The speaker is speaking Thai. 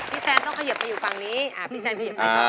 แซนต้องเขยิบไปอยู่ฝั่งนี้พี่แซนขยิบไปต่อ